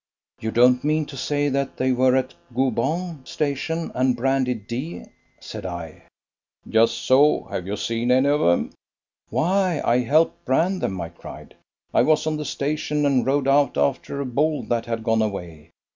"You don't mean to say that they were at Goobong station and branded D," said I. "Just so, have you seen any of 'em?" "Why I helped brand them," I cried; "I was on the station and rode out after a bull that had gone away.